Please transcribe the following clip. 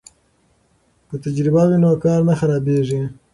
که تجربه وي نو کار نه خرابېږي.